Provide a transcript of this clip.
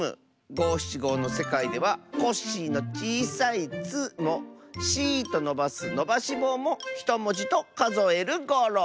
ごしちごのせかいでは「コッシー」のちいさい「ッ」も「シー」とのばすのばしぼうも１もじとかぞえるゴロ！